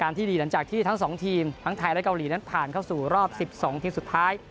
ที่ดีหลังจากที่ทั้งสองทีมทั้งไทยและเกาหลีนั้นผ่านเข้าสู่รอบ๑๒ทีมสุดท้าย